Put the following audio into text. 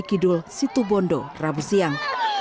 kidul situbondo rabu siang